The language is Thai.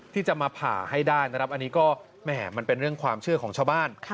ที่จะมาผ่าให้ได้นะครับอันนี้ก็แหมมันเป็นเรื่องความเชื่อของชาวบ้าน